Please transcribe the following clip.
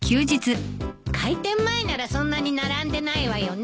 開店前ならそんなに並んでないわよね。